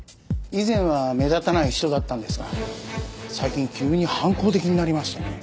以前は目立たない人だったんですが最近急に反抗的になりましてね。